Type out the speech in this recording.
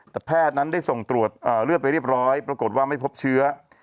แต่แพทย์นั้นได้ส่งตรวจเลือดไปเรียบร้อยปรากฏว่าไม่พบเชื้อ